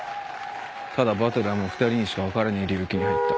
ただバトルはもう２人にしか分からねえ領域に入った。